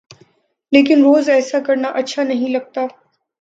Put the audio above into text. لیکن روز ایسا کرنا اچھا نہیں لگتا۔